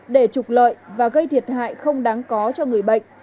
để trục lợi và gây thiệt hại không đáng có cho người bệnh